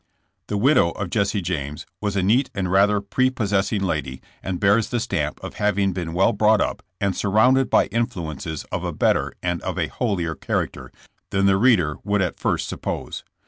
The widow of Jesse James was a neat and rather prepossessing lady, and bears the stamp of having been well brought up and surrounded by influences of a better and of a holier character than the reader would at first suppose.